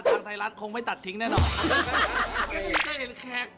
ทางไทยรัฐคงไม่ตัดทิ้งแน่นอน